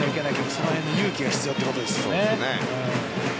その辺は勇気が必要ということですね。